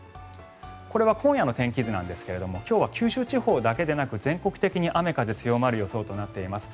これは今夜の天気図ですが今日は九州地方だけでなく全国的に雨、風強まる予想となっています。